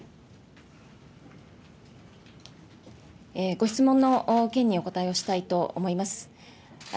ご質問の件にお答えをしたいと思います。